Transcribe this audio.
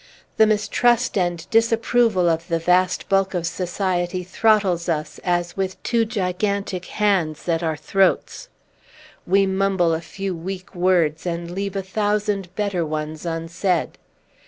The mistrust and disapproval of the vast bulk of society throttles us, as with two gigantic hands at our throats! We mumble a few weak words, and leave a thousand better ones unsaid.